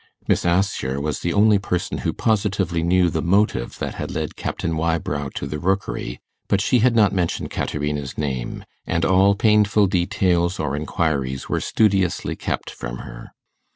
Miss Assher was the only person who positively knew the motive that had led Captain Wybrow to the Rookery; but she had not mentioned Caterina's name, and all painful details or inquiries were studiously kept from her.